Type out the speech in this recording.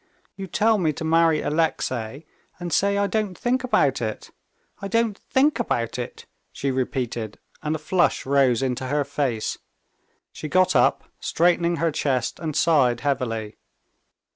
You tell me to marry Alexey, and say I don't think about it. I don't think about it!" she repeated, and a flush rose into her face. She got up, straightening her chest, and sighed heavily.